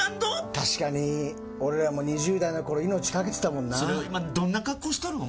確かに俺らも２０代の頃命かけてたもんなそれを今どんな格好しとるん